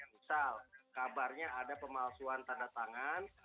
misal kabarnya ada pemalsuan tanda tangan